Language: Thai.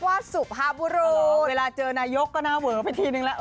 สุภาพบุรุเวลาเจอนายกก็น่าเวอไปทีนึงแล้ว